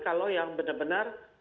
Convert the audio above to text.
kalau yang benar benar